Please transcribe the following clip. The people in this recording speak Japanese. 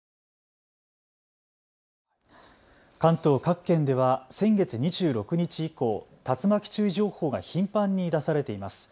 関東各県では先月２６日以降、竜巻注意情報が頻繁に出されています。